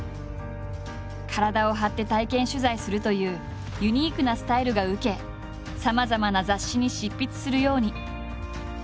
体を張って体験取材するというユニークなスタイルが受けさまざまな雑誌に執筆するように。